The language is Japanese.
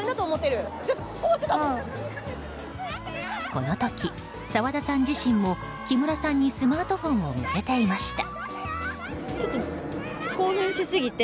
この時、澤田さん自身も木村さんにスマートフォンを向けていました。